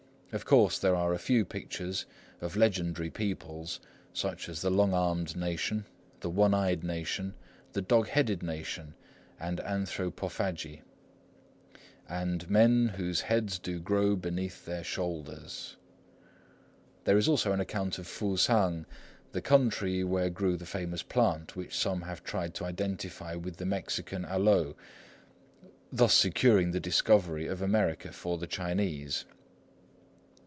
Of course there are a few pictures of legendary peoples, such as the Long armed Nation, the One eyed Nation, the Dog headed Nation, the Anthropophagi, "and men whose heads Do grow beneath their shoulders." There is also an account of Fusang, the country where grew the famous plant which some have tried to identify with the Mexican aloe, thus securing the discovery of America for the Chinese.